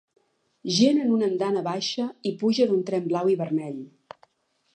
Gent en una andana baixa i puja d'un tren blau i vermell.